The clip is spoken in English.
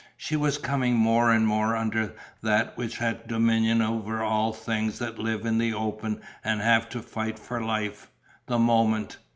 She was coming more and more under that which has dominion over all things that live in the open and have to fight for life the moment.